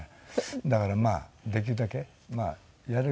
だからまあできるだけやれる事は。